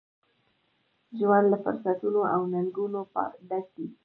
ژوند له فرصتونو ، او ننګونو ډک دی.